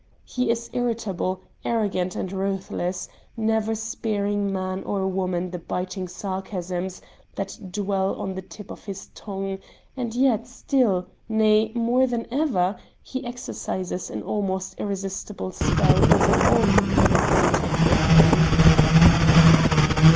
He is irritable, arrogant and ruthless; never sparing man or woman the biting sarcasms that dwell on the tip of his tongue, and yet, still nay, more than ever he exercises an almost irresistible spell over all who come in contact with him.